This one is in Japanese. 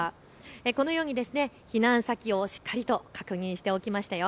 このように避難先をしっかりと確認しておきました。